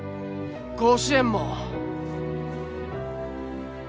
甲子園も。